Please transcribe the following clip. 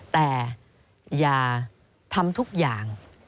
แต่อย่าทำทุกอย่าง